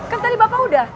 kan tadi bapak udah